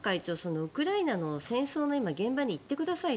ウクライナの今の戦争の現場に行ってくださいと。